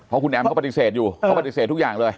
เพราะคุณแอมเขาปฏิเสธอยู่เขาปฏิเสธทุกอย่างเลย